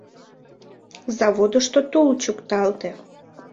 Заводышто тул чӱкталте.